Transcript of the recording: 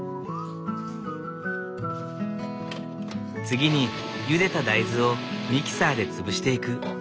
次にゆでた大豆をミキサーで潰していく。